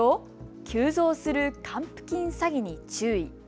急増する還付金詐欺に注意。